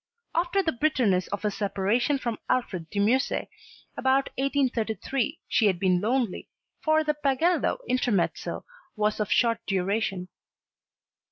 After the bitterness of her separation from Alfred de Musset about 1833 she had been lonely, for the Pagello intermezzo was of short duration.